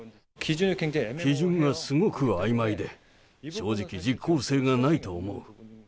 基準がすごくあいまいで、正直、実効性がないと思う。